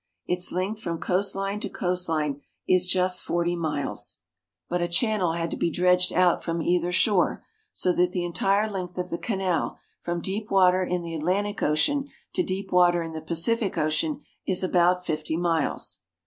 Its length from coast line to coast line is just forty miles, 22 ISTHMUS OF PANAMA but a channel had to be dredged out from either shore, so that the entire length of the canal from deep water in the Atlantic Ocean to deep water in the Pacific Ocean is about fifty miles.